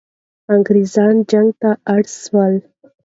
انګریزان جنگ ته اړ سول.